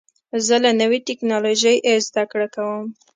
زه له نوې ټکنالوژۍ زده کړه کوم.